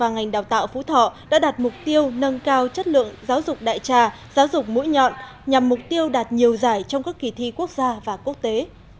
năm học hai nghìn một mươi chín hai nghìn hai mươi ngành giáo dục và ngành đào tạo phú thỏ đã đạt mục tiêu nâng cao chất lượng giáo dục đại trà giáo dục mũi nhằm mục tiêu đạt nhiều giải trong các kỳ thi quốc gia và quốc tế